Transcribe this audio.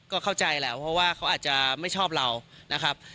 ก็เข้าใจแล้วเพราะว่าเขาอาจจะไม่ชอบเรานะครับ